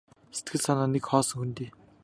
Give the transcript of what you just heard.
Сэтгэл санаа нь нэг хоосон хөндий.